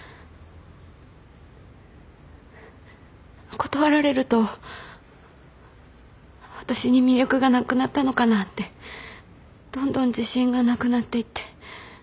断られると私に魅力がなくなったのかなってどんどん自信がなくなっていって。